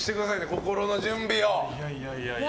心の準備を。